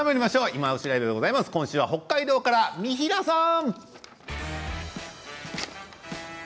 今週は北海道から三平さん。